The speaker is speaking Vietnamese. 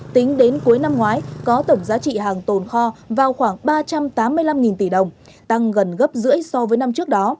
tính đến cuối năm ngoái có tổng giá trị hàng tồn kho vào khoảng ba trăm tám mươi năm tỷ đồng tăng gần gấp rưỡi so với năm trước đó